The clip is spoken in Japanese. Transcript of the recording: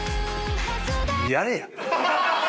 やれや。